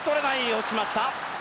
落ちました。